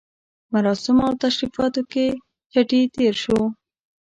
مراسمو او تشریفاتو کې چټي تېر شو.